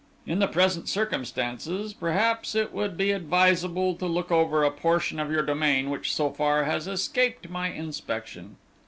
In the present circumstances, perhaps, it would be advisable to look over a portion of your domain which, so far, has escaped my inspection."